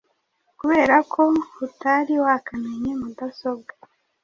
kubera ko utari wakamenya mudasobwa?